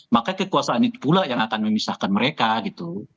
maka kekuasaan itu pula yang akan memisahkan mereka gitu